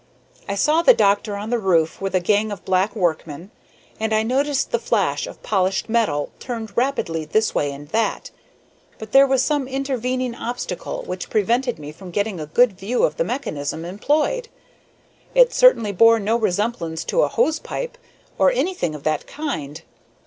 I saw the doctor on the roof with a gang of black workmen, and I noticed the flash of polished metal turned rapidly this way and that, but there was some intervening obstacle which prevented me from getting a good view of the mechanism employed. It certainly bore no resemblance to a hose pipe, or anything of that kind.